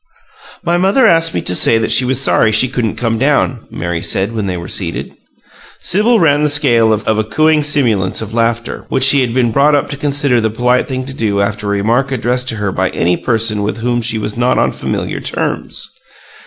"My mother asked me to say that she was sorry she couldn't come down," Mary said, when they were seated. Sibyl ran the scale of a cooing simulance of laughter, which she had been brought up to consider the polite thing to do after a remark addressed to her by any person with whom she was not on familiar terms.